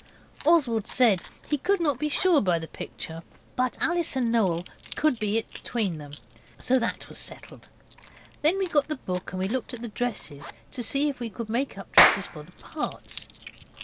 Oswald said he could not be sure by the picture, but Alice and Noel could be it between them. So that was settled. Then we got the book and looked at the dresses to see if we could make up dresses for the parts.